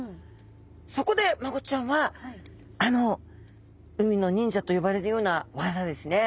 そこでマゴチちゃんはあの海の忍者と呼ばれるような技ですね